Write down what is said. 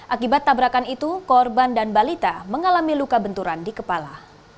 akibat tabrakan itu korban dan balita mengalami luka benturan di kepala